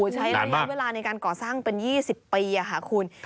ใช้ระยะเวลาในการก่อสร้างเป็น๒๐ปีค่ะคุณ